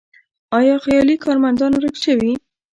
آیا خیالي کارمندان ورک شوي؟